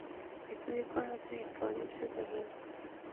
Estudió con los Escolapios de Reus.